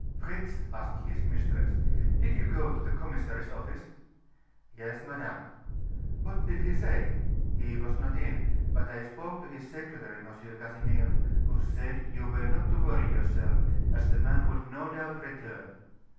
"Fritz," asked his mistress, "did you go to the commissary's office?" "Yes, madame." "What did he say?" "He was not in; but I spoke to his secretary, M. Casimir, who said you were not to worry yourself, as the man would no doubt return."